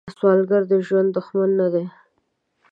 سوالګر د ژوند دښمن نه دی